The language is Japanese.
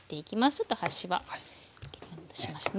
ちょっと端は切り落としますね。